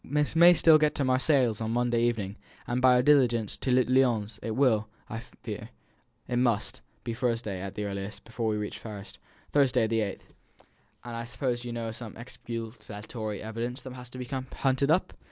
We may still get to Marseilles on Monday evening; on by diligence to Lyons; it will it must, I fear, be Thursday, at the earliest, before we reach Paris Thursday, the eighth and I suppose you know of some exculpatory evidence that has to be hunted up?"